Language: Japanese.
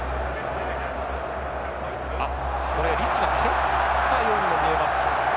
あっこれリッチが蹴ったようにも見えます。